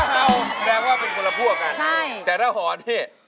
คือถ้าเห่าแปลว่าเป็นคนละพวกน่ะแต่ถ้าหอนเนี่ย